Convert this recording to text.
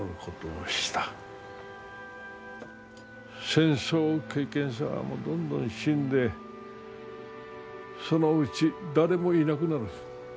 戦争経験者もどんどん死んでそのうち誰もいなくなる。